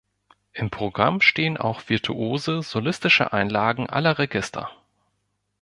Im Programm stehen auch virtuose solistische Einlagen aller Register.